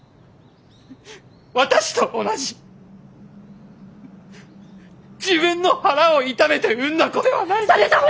私と同じ自分の腹を痛めて産んだ子ではないのですか。